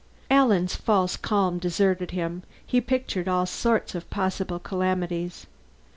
Alan's false calm deserted him; he pictured all sorts of possible calamities.